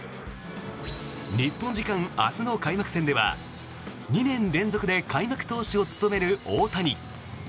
日本時間明日の開幕戦では２年連続で開幕投手を務める大谷。